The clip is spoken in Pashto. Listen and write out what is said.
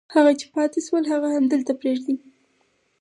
هغه چې پاتې شول هغه همدلته پرېږدي.